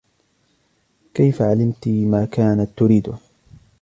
كيفَ علمتيِ ما كانت تريدهُ؟